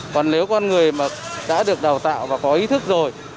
còn nếu con người mà đã được đào tạo và có ý thức rồi